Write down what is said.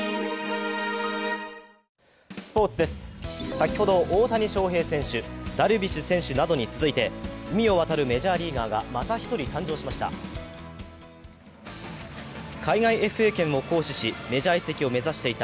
先ほど大谷翔平選手、ダルビッシュ選手などに続いて、海を渡るメジャーリーガーがまた１人、誕生しました。